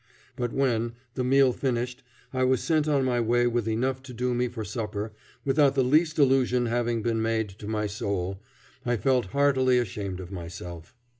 But when, the meal finished, I was sent on my way with enough to do me for supper, without the least allusion having been made to my soul, I felt heartily ashamed of myself.